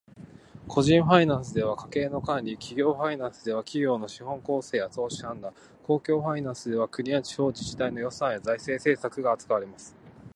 個人ファイナンスでは家計の管理、企業ファイナンスでは企業の資本構成や投資判断、公共ファイナンスでは国や地方自治体の予算や財政政策が扱われます。